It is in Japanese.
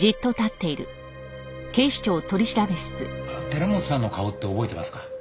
寺本さんの顔って覚えてますか？